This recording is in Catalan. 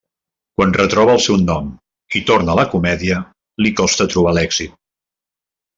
Quan retroba el seu nom i torna a la comèdia, li costa trobar l'èxit.